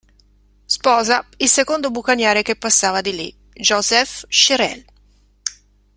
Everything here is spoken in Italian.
Sposa il secondo bucaniere che passava di lì: Joseph Cherel.